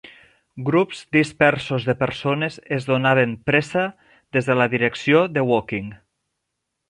Grups dispersos de persones es donaven pressa des de la direcció de Woking.